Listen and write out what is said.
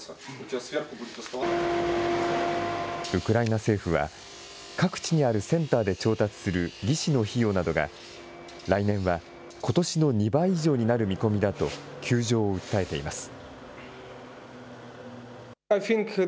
ウクライナ政府は、各地にあるセンターで調達する義肢の費用などが、来年はことしの２倍以上になる見込みだと窮状を訴えています。